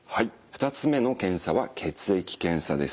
２つ目の検査は血液検査です。